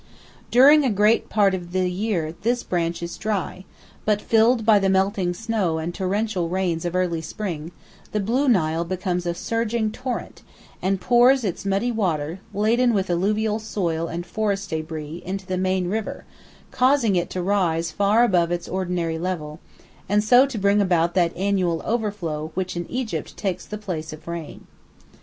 During a great part of the year this branch is dry, but filled by the melting snow and torrential rains of early spring, the Blue Nile becomes a surging torrent, and pours its muddy water, laden with alluvial soil and forest débris, into the main river, causing it to rise far above its ordinary level, and so bringing about that annual overflow which in Egypt takes the place of rain.